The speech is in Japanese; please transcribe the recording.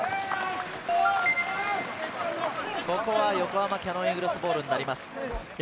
ここは横浜キヤノンイーグルスボールです。